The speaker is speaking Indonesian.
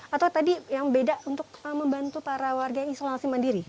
atau tadi yang beda untuk membantu para warga yang isolasi mandiri